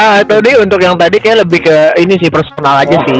ya tadi untuk yang tadi kayaknya lebih ke ini sih personal aja sih